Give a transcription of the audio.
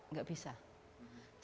selama mami masih hidup